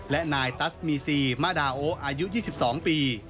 และนายตัสมีซีมาดาโออายุ๒๒ปี